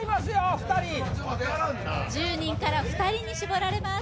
２人１０人から２人にしぼられます